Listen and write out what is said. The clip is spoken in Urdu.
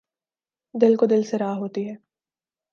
دل کو دل سے راہ ہوتی ہے